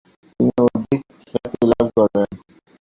তিনি অধিক খ্যাতিলাভ করেন।